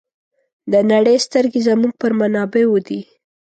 د نړۍ سترګې زموږ پر منابعو دي.